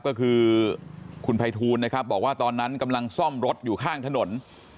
ก็คือคุณภัยทูลนะครับบอกว่าตอนนั้นกำลังซ่อมรถอยู่ข้างถนน